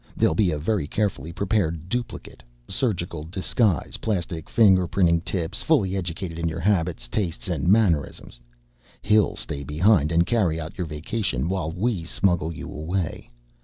There'll be a very carefully prepared duplicate surgical disguise, plastic fingerprinting tips, fully educated in your habits, tastes, and mannerisms. He'll stay behind and carry out your vacation while we smuggle you away.